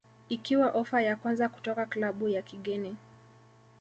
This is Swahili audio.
ikiwa ofa ya kwanza kutoka klabu ya kigeni